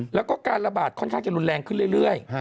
แล้วก็การระบาดค่อนข้างจะรุนแรงขึ้นเรื่อย